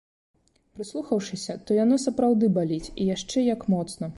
Прыслухаўшыся, то яно сапраўды баліць, і яшчэ як моцна.